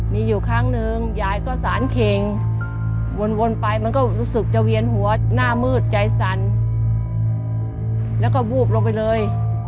มีอยู่ครั้งหนึ่งยายก็สารเข่งวนไปมันก็รู้สึกจะเวียนหัวหน้ามืดใจสั่นแล้วก็วูบลงไปเลย